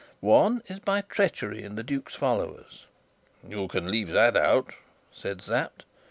One is by treachery in the duke's followers." "You can leave that out," said Sapt.